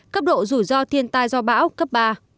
cấp độ rủi ro thiên tai do bão cấp ba